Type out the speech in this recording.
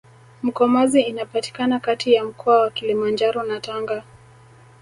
mkomazi inapatikana Kati ya mkoa wa kilimanjaro na tanga